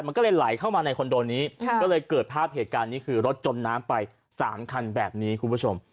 มันก็เลยไหลเข้ามาในคอนโดนี้ก็เลยเกิดภาพเหตุการณ์นี้คือรถจมน้ำไป๓คันแบบนี้คุณผู้ชม